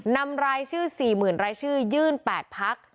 นำรายชื่อ๔๐๐๐รายชื่อยื่น๘พัก